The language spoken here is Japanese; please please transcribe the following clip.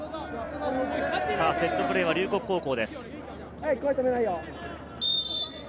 セットプレーは龍谷高校です。